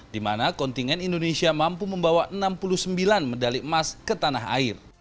di mana kontingen indonesia mampu membawa enam puluh sembilan medali emas ke tanah air